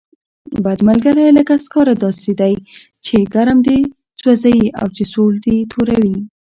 بد ملګری لکه سکاره داسې دی، چې ګرم دې سوځوي او سوړ دې توروي.